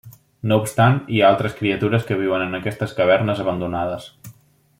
No obstant hi ha altres criatures que viuen en aquestes cavernes abandonades.